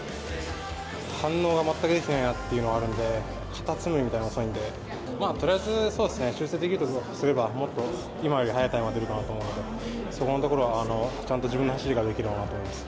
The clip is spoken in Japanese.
反応が全くできてないなっていうのがあるんで、カタツムリみたいに遅いんで、とりあえず、そうですね、修正できるところを修正すれば、もっと今より速いタイムが出るかなと思うんで、そこのところは、ちゃんと自分の走りができればな